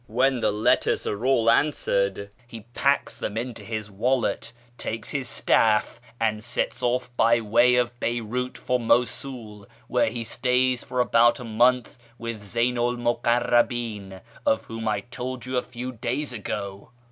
When the letters are all answered, he packs them into his wallet, takes his staff, and sets off by way of Beyrout for Mosul, where he stays for about a month with Zeynu 'l Mukarrahin, of whom I told you a few days ago.